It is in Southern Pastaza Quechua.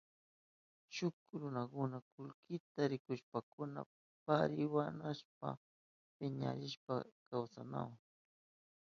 Shuk runakuna kullkiyuta rikushpankuna parihuyanayashpa piñarishpa kawsanahun.